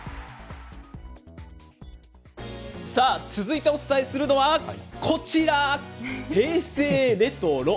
さあ、続いてお伝えするのはこちら、平成レトロ。